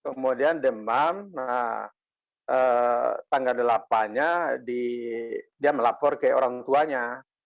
kemudian demam tanggal delapan nya dia melapor ke orang tuanya